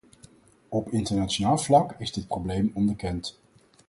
Op internationaal vlak is dit probleem onderkend.